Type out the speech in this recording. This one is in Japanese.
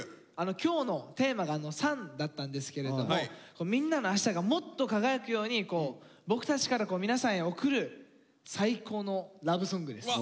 今日のテーマが「ＳＵＮ」だったんですけれどもみんなのあしたがもっと輝くように僕たちから皆さんへ送る最高のラブソングです。